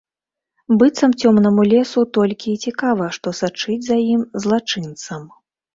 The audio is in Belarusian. Быццам цёмнаму лесу толькі і цікава, што сачыць за ім, злачынцам.